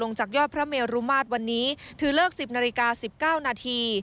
จากยอดพระเมรุมาตรวันนี้ถือเลิก๑๐นาฬิกา๑๙นาที